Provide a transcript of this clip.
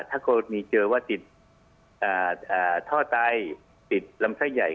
ถ้าเขามีเจอว่าติดท่อไตติดลำไส้ใหญ่